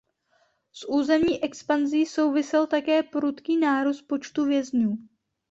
S územní expanzí souvisel také prudký nárůst počtu vězňů.